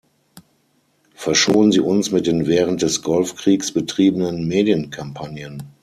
Verschonen Sie uns mit den während des Golfkriegs betriebenen Medienkampagnen.